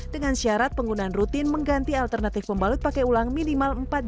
dengan syarat penggunaan rutin mengganti alternatif pembalut pakai ulang minimal empat jam